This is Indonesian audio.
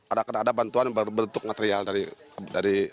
ada bantuan berbentuk material dari